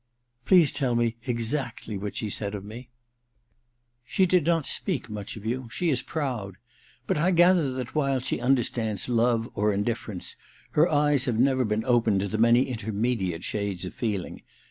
* Please tell me exactly what she said of me/ * She did not speak much of you : she is proud. But I gather that while she under stands love or indiflference, her eyes have never been opened to the many intermediate shades of feeling.